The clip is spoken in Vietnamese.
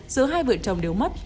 giữa hai vợ chồng đều mất